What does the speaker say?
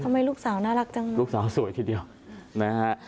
ลูกสาวน่ารักจังลูกสาวสวยทีเดียวนะฮะ